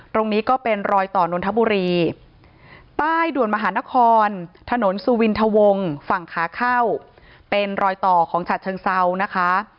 ตรงนี้ก็เป็นรอยต่อนนทบุรีใต้ด่วนมหานครถนนสุวินทะวงฝั่งขาเข้าเป็นรอยต่อของฉัดเชิงเซานะคะ